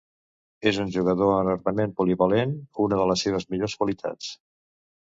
És un jugador enormement polivalent, una de les seves millors qualitats.